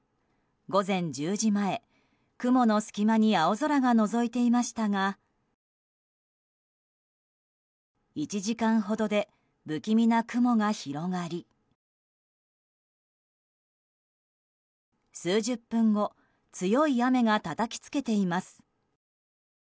午前１０時前、雲の隙間に青空がのぞいていましたが１時間ほどで不気味な雲が広がり数十分後強い雨がたたきつけています。